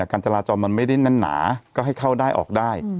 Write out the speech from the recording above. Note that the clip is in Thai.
การจราจรมันไม่ได้แน่นหนาก็ให้เข้าได้ออกได้